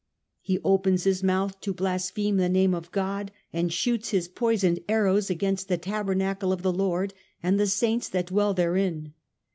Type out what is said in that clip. He opens his mouth to blaspheme the name of God ; and shoots his poisoned arrows against the tabernacle of the Lord, and the saints that dwell therein.